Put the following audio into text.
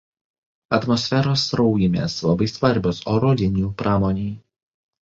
Atmosferos sraujymės labai svarbios oro linijų pramonei.